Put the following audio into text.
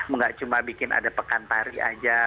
nggak cuma bikin ada pekan tari aja